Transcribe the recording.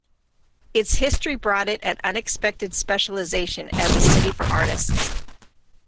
Its history brought it an unexpected specialization as a city for artists.